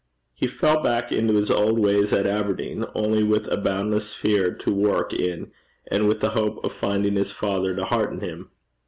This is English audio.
He fell back into his old ways at Aberdeen, only with a boundless sphere to work in, and with the hope of finding his father to hearten him.